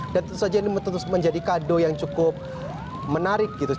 dan tentu saja ini menjadi kado yang cukup menarik gitu